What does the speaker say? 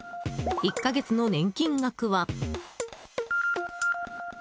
１か月の年金額は。